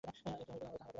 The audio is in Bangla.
এই হইল তাহার অপরাধ।